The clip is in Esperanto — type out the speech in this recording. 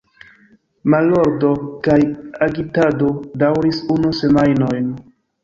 Malordo kaj agitado daŭris unu semajnon.